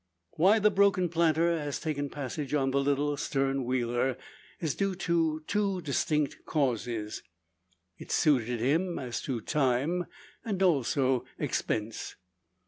Why the broken planter has taken passage on the little "stern wheeler" is due to two distinct causes. It suited him as to time, and also expense.